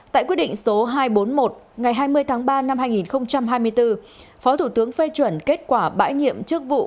tại quyết định số hai trăm bốn mươi một ngày hai mươi tháng ba năm hai nghìn hai mươi bốn phó thủ tướng phê chuẩn kết quả bãi nhiệm chức vụ